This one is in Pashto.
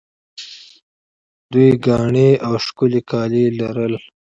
دوی ګاڼې او ښکلي کالي لرل